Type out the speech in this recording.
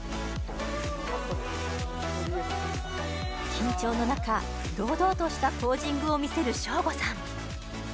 緊張の中堂々としたポージングを見せるショーゴさん